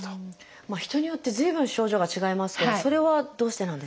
人によって随分症状が違いますけどそれはどうしてなんですか？